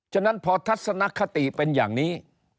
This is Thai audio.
ฉะนั้นพอทัศนคติเป็นอย่างนี้